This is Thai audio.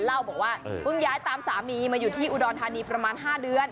เล่าบอกว่าเพิ่งย้ายตามสามีมาอยู่ที่อุดรธานีประมาณ๕เดือน